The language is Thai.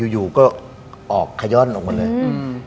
อยู่ก็ออกขย้อนออกมาเลย